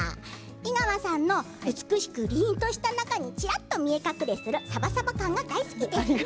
井川さんの美しくりんとした中にちらっと見え隠れするさばさば感が大好きです。